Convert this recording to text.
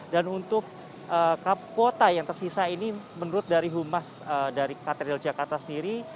dan untuk kuota yang tersisa ini menurut dari humas dari katedral jakarta sendiri